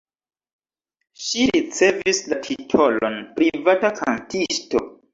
Ŝi ricevis la titolon privata kantisto.